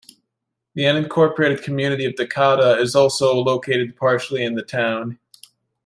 The unincorporated community of Dacada is also located partially in the town.